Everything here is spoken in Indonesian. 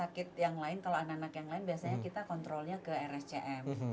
jadi kalau rumah sakit yang lain kalau anak anak yang lain biasanya kita kontrolnya ke rumah sakit